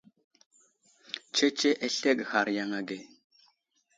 Tsetse aslege a ghar yaŋ age.